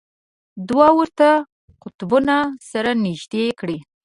دوه ورته قطبونه سره نژدې کړئ.